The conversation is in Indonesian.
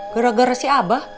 gara gara si abah